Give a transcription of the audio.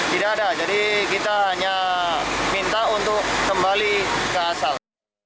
tidak ada jadi kita hanya minta untuk kembali ke asal